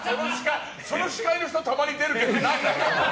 その司会の人たまに出るけど何なの？